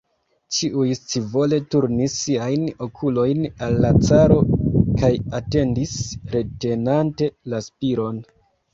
Ĉiuj scivole turnis siajn okulojn al la caro kaj atendis, retenante la spiron.